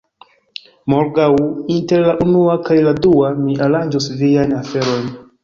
Morgaŭ, inter la unua kaj la dua, mi aranĝos viajn aferojn.